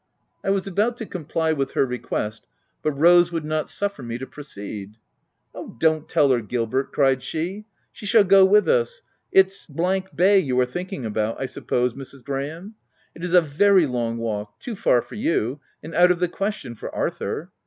I was about to comply with her request ; but Rose would not suffer me to proceed. P Oh, don't tell her Gilbert !" cried she m " she shall go with us. It's Bay you are thinking about 1 suppose, Mrs. Graham. It is a very long walk, too far for you, and out of the question for Arthur.